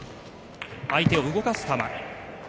相手を動かす球。